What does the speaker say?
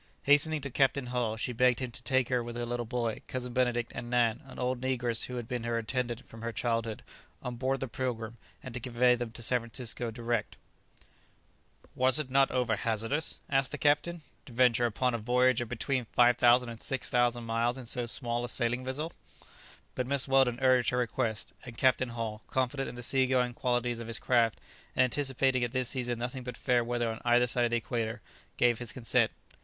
Hastening to Captain Hull, she begged him to take her with her little boy, Cousin Benedict, and Nan, an old negress who had been her attendant from her childhood, on board the "Pilgrim," and to convey them to San Francisco direct. "Was it not over hazardous," asked the captain, "to venture upon a voyage of between 5000 and 6000 miles in so small a sailing vessel?" But Mrs. Weldon urged her request, and Captain Hull, confident in the sea going qualities of his craft, and anticipating at this season nothing but fair weather on either side of the equator, gave his consent.